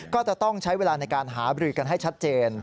ก็จะต้องใช้เวลาในการหาบริกันให้ชัดเจน